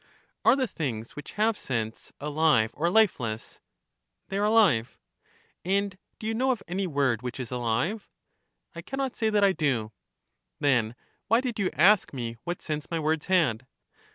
Are the things which have sense alive or lifeless? They are alive. And do you know of any word which is alive ? I can not say that I do. Then why did you ask me what sense my words had?